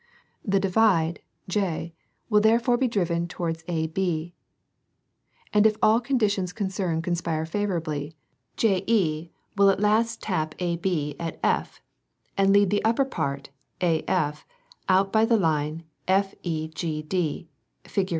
The divide, J, will therefore be driven towards AB, and if all the conditions concerned conspire favorably, JE will at last tap AB at F, and lead the upper part, AF, out by the line FEGD, fig.